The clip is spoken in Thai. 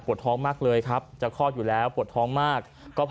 ผลิตภองมากเลยครับจะคลอดอยู่แล้วผลิตภองมาก